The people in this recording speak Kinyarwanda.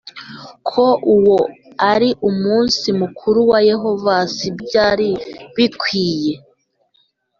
ko uwo ari umunsi mukuru wa Yehova si byo byari bikwiye